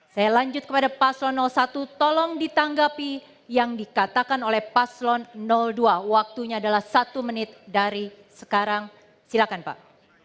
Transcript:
saya lanjut kepada paslon satu tolong ditanggapi yang dikatakan oleh paslon dua waktunya adalah satu menit dari sekarang silakan pak